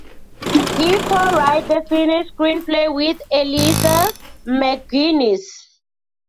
He co-wrote the finished screenplay with Alyssa McGuinness.